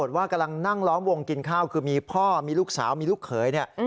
พราบกลับกลับว่ามีเขาเกิด๔๕มีพ่อลูกสาวลูกเขยเนี้ย